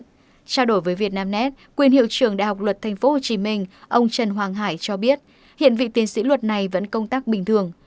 trao đổi với vietnamnet quyền hiệu trưởng đại học luật tp hcm ông trần hoàng hải cho biết hiện vị tiến sĩ luật này vẫn công tác bình thường